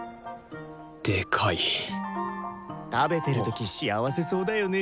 でかい食べてる時幸せそうだよね。